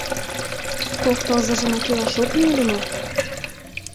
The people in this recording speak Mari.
Кок тылзыжымак илаш ок лий ыле мо?